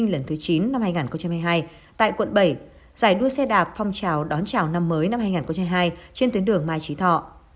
lần thứ chín năm hai nghìn hai mươi hai tại quận bảy giải đua xe đạp phong trào đón chào năm mới năm hai nghìn hai mươi hai trên tuyến đường mai trí thọ